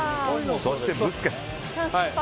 そして、ブスケツ。